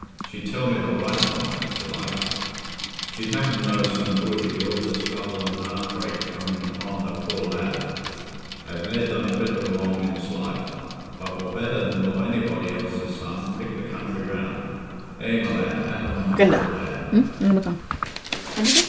She'd tell me the rights on't, belike—she'd happen know some good i' all this trouble an' heart break comin' upo' that poor lad, as ne'er done a bit o' wrong in's life, but war better nor anybody else's son, pick the country round. Eh, my lad... Adam, my poor lad!"